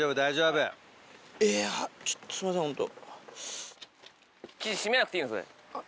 いやちょっとすいませんホント。